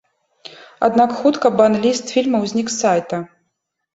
Аднак хутка бан-ліст фільмаў знік з сайта.